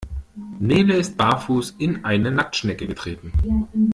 Nele ist barfuß in eine Nacktschnecke getreten.